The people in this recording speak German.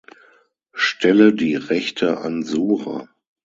Stelle die Rechte an Sura.